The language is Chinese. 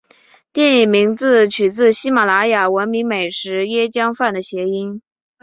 电影名字取自马来西亚闻名美食椰浆饭的谐音。